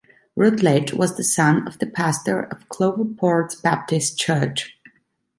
Rutledge was the son of the pastor of Cloverport's Baptist church.